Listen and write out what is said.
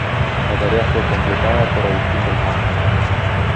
La tarea fue completada por Agustín del Campo.